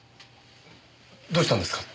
どうしたんですか？